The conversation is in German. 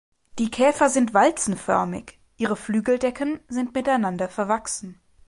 Die Käfer sind walzenförmig, ihre Flügeldecken sind miteinander verwachsen.